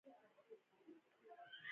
ګنګسي بده ده.